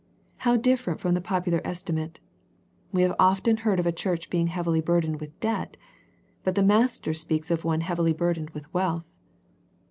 How different from the popular esti mate. We have often heard of a church being heavily burdened with debt, but the Master speaks of one heavily burdened with wealth.